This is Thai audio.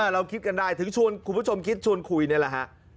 เราคิดกันได้ถึงชวนคุณผู้ชมคิดชวนคุยนี่แหละฮะ